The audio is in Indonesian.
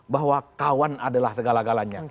bahwa kawan adalah segala galanya